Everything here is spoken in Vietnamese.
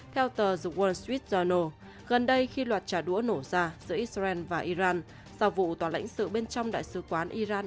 theo tờ the world street journal gần đây khi loạt trả đũa nổ ra giữa israel và iran sau vụ tòa lãnh sự bên trong đại sứ quán iran